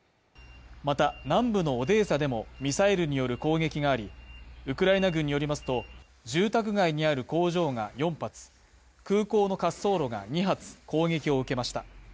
また南部のオデーサでもミサイルによる攻撃があり、ウクライナ軍によりますと、住宅街にある工場が４発、空港の滑走路が２発、攻撃を受けました。